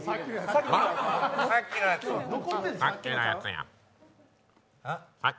さっきのやつや。